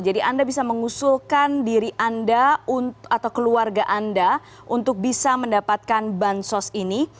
jadi anda bisa mengusulkan diri anda atau keluarga anda untuk bisa mendapatkan bansos ini